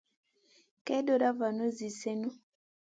Kay ɗona vanu zi sèhnu.